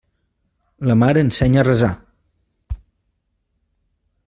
La mar ensenya a resar.